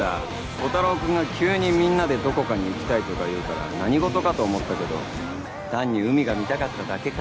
コタローくんが急にみんなでどこかに行きたいとか言うから何事かと思ったけど単に海が見たかっただけか。